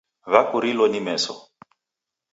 Wakurilo ni meso!